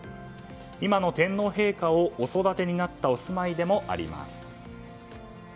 今の天皇陛下をお育てになったお住まいでもあります。